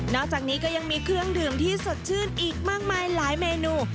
อกจากนี้ก็ยังมีเครื่องดื่มที่สดชื่นอีกมากมายหลายเมนู